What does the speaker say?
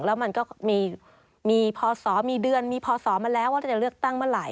แล้วมันก็มีพศมีเดือนมีพศมาแล้วว่าจะเลือกตั้งเมื่อไหร